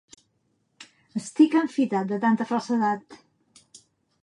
Estic enfitat de tanta falsedat.